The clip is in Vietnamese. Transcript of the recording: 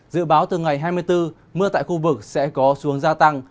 dự báo từ ngày hai mươi bốn mưa tại khu vực sẽ có xuống gia tăng